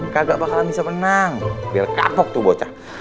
kagak bakalan bisa menang biar kapok tuh bocah